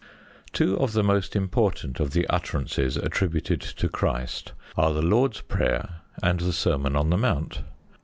Two of the most important of the utterances attributed to Christ are the Lord's Prayer and the Sermon on the Mount.